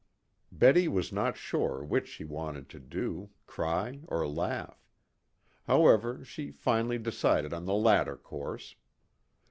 Betty was not sure which she wanted to do, cry or laugh. However, she finally decided on the latter course.